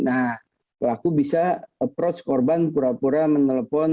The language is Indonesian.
nah pelaku bisa approach korban pura pura menelpon